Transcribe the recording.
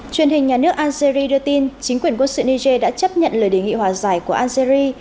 truyền hình nhà nước algeri đưa tin chính quyền quân sự niger đã chấp nhận lời đề nghị hòa giải của algeria